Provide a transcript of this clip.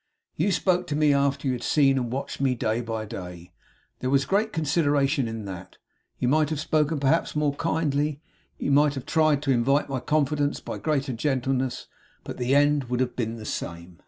You spoke to me after you had seen and watched me day by day. There was great consideration in that. You might have spoken, perhaps, more kindly; you might have tried to invite my confidence by greater gentleness; but the end would have been the same.